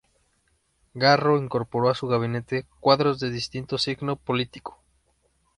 Garro incorporó a su Gabinete cuadros de distinto signo político.